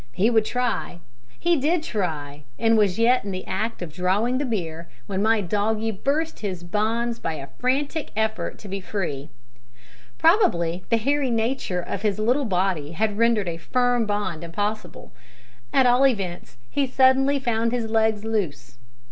He would try. He did try, and was yet in the act of drawing the beer when my doggie burst his bonds by a frantic effort to be free. Probably the hairy nature of his little body had rendered a firm bond impossible. At all events, he suddenly found his legs loose.